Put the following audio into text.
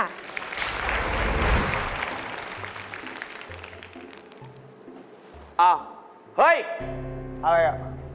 อ้าวเฮ้ยอะไรอ่ะ